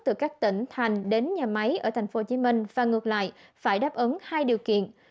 từ các tỉnh thành đến nhà máy ở tp hcm và ngược lại phải đáp ứng hai điều kiện